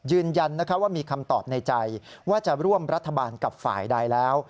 ยืนยันว่ามีคำตอบในใจว่าจะร่วมรัฐบาลกับฝ่ายใดแล้ว